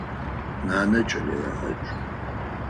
Нанэ кӏэлэегъадж.